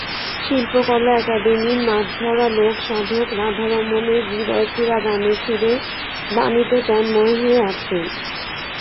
শিল্পকলা একাডেমীর মাঠভরা লোক সাধক রাধারমণের হূদয়ছোঁয়া গানের সুরে-বাণীতে তন্ময় হয়ে আছেন।